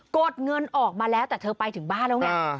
ดเงินออกมาแล้วแต่เธอไปถึงบ้านแล้วไง